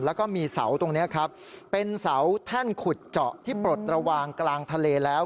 แล้วก็มีเสาตรงนี้ครับเป็นเสาแท่นขุดเจาะที่ปลดระวางกลางทะเลแล้ว